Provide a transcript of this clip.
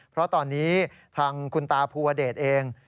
เพราะตอนนี้ทางคุณตาภูวเดชเอง